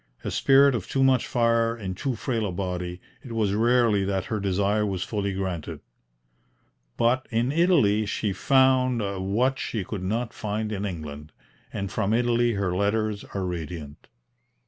A spirit of too much fire in too frail a body, it was rarely that her desire was fully granted. But in Italy she found what she could not find in England, and from Italy her letters are radiant.